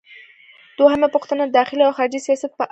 دوهمه پوښتنه د داخلي او خارجي سیاست په اړه ده.